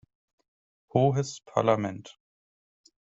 Hohes Parlament!